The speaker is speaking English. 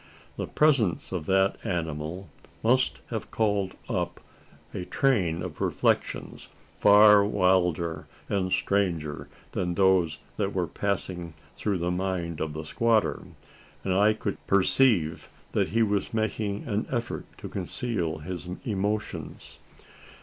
The presence of that animal must have called up a train of reflections, far wilder and stranger than those that were passing through the mind of the squatter; and I could perceive that he was making an effort to conceal his emotions.